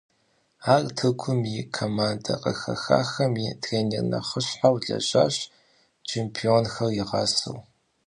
Ар Тыркум и командэ къыхэхам и тренер нэхъыщхьэу лэжьащ, чемпионхэр игъасэу.